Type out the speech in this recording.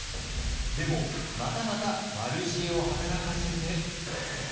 でもまたまた悪知恵を働かせて。